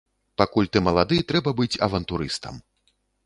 Пакуль ты малады, трэба быць авантурыстам.